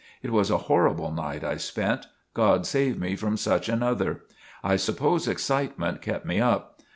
It was a horrible night I spent, God save me from such another. I suppose excitement kept me up.